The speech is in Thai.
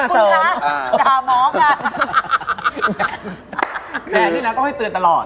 แกต้องให้ตื่นตลอด